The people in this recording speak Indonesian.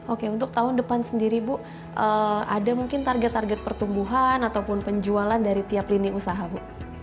oke untuk tahun depan sendiri bu ada mungkin target target pertumbuhan ataupun penjualan dari tiap lini usaha bu